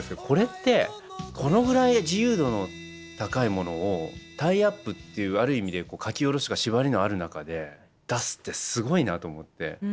これってこのぐらい自由度の高いものをタイアップっていうある意味で書き下ろしというか縛りのある中で出すってすごいなと思って。